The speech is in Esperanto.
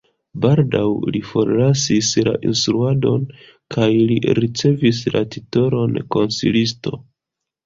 Baldaŭ li forlasis la instruadon kaj li ricevis la titolon konsilisto.